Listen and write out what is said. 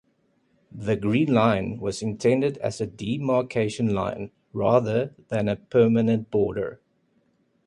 The Green Line was intended as a demarcation line rather than a permanent border.